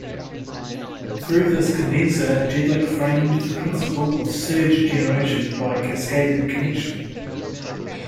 Through this condenser, Jedlik framed the principle of surge generation by cascaded connection.